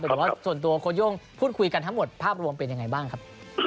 แต่ว่าส่วนตัวโคโย่งพูดคุยกันทั้งหมดภาพรวมเป็นยังไงบ้างครับ